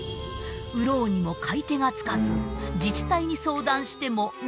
売ろうにも買い手がつかず自治体に相談してもなしのつぶて。